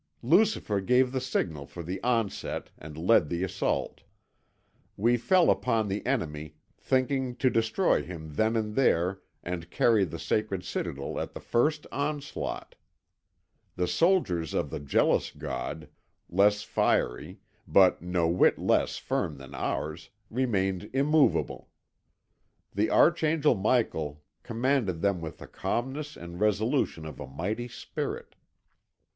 "Lucifer gave the signal for the onset and led the assault. We fell upon the enemy, thinking to destroy him then and there and carry the sacred citadel at the first onslaught. The soldiers of the jealous God, less fiery, but no whit less firm than ours, remained immovable. The Archangel Michael commanded them with the calmness and resolution of a mighty spirit.